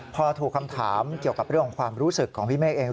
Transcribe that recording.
พอถูกคำถามเกี่ยวกับเรื่องของความรู้สึกของพี่เมฆเอง